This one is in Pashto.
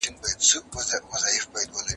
که څېړنه سمه وي پایله یې ګټوره وي.